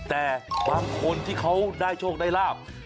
แต่บางคนที่เขาได้โชคได้ลาบ